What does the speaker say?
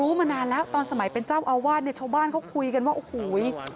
มานานแล้วตอนสมัยเป็นเจ้าอาวาสเนี่ยชาวบ้านเขาคุยกันว่าโอ้โห